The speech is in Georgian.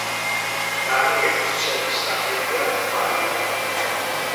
დანიელის ცოლის სახელია მარიამი.